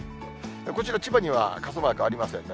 こちら、千葉には傘マークありませんね。